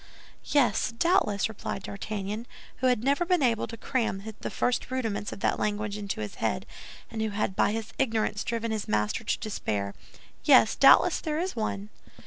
"Yes, doubtless," replied D'Artagnan, who had never been able to cram the first rudiments of that language into his head, and who had by his ignorance driven his master to despair, "yes, doubtless there is one."